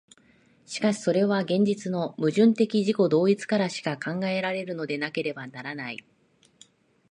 しかしそれは現実の矛盾的自己同一からしか考えられるのでなければならない。